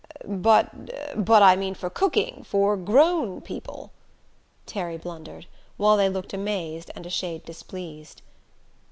"But but I mean for cooking for grown people," Terry blundered, while they looked amazed and a shade displeased.